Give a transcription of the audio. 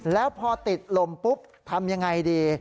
แล้วพอติดลมปุ๊บทำยังไงดี